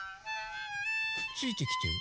ついてきてる？